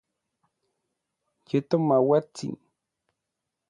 Ye tomauatsin.